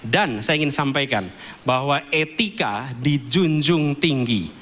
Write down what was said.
dan saya ingin sampaikan bahwa etika dijunjung tinggi